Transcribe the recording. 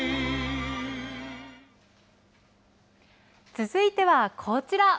続いてはこちら。